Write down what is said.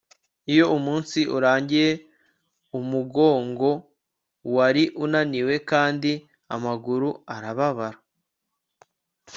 iyo umunsi urangiye, umugongo wari unaniwe kandi amaguru arababara